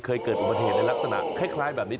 เคยเกิดอุบัติเหตุในลักษณะคล้ายแบบนี้